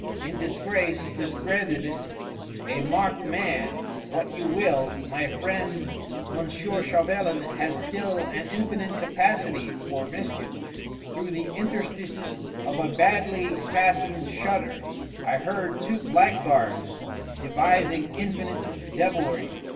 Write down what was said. "In disgrace, discredited, a marked man what you will my friend M. Chauvelin has still an infinite capacity for mischief. Through the interstices of a badly fastened shutter I heard two blackguards devising infinite devilry.